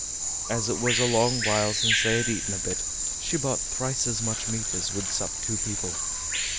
As it was a long while since they had eaten a bit, she bought thrice as much meat as would sup two people.